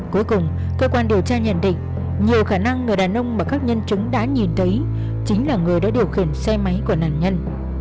cuối cùng cơ quan điều tra nhận định nhiều khả năng người đàn ông mà các nhân chứng đã nhìn thấy chính là người đã điều khiển xe máy của nạn nhân